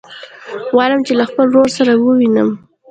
غواړم چې له خپل ورور سره ووينم.